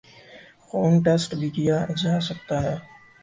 خون ٹیسٹ بھی کیا جاسکتا ہے